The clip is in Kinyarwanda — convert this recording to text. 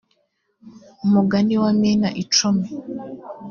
umugani wa mina icumi